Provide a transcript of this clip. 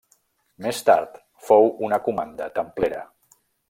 Més tard fou una comanda templera.